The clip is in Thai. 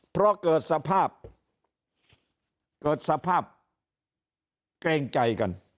เพราะเกิดสภาพเกิดสภาพเกรงใจกัน